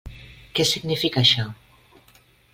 Què significa això?